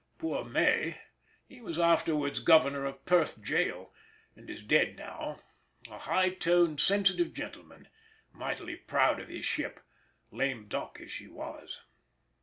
Poor May, he was afterwards governor of Perth gaol, and is dead now,—a high toned, sensitive gentleman, mightily proud of his ship, lame duck as she was.